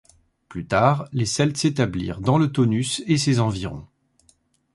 Plus tard les Celtes s'établirent dans le Taunus et ses environs.